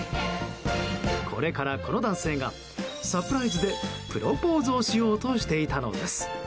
これから、この男性がサプライズでプロポーズをしようとしていたのです。